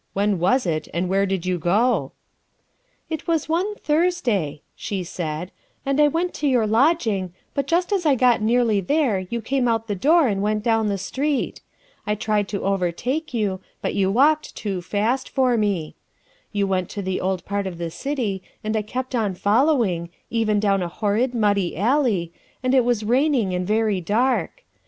When was it, and where did you go ?"" It was one Thursday," she said, " and I went to your lodging, but just as I got nearly there you came out the door and went down the street. I tried to over take you, but you walked too fast for me. You went to the old part of the city and I kept on following, even down a horrid, muddy alley, and it was raining and very dark.